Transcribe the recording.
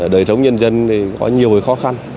đời sống nhân dân thì có nhiều khó khăn